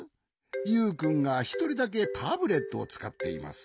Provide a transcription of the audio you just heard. ユウくんがひとりだけタブレットをつかっています。